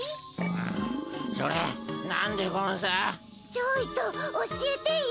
ちょいと教えてよ。